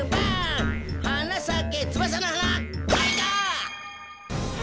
「はなさけつばさのはな」かいか！